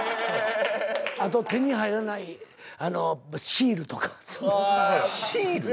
あと手に入らないシールとか。シール？